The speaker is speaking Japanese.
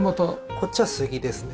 こっちは杉ですね。